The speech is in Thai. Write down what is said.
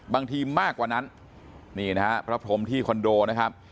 บางทีมากกว่านั้นนี่นะฮะพระพรมที่คอนโดนะครับ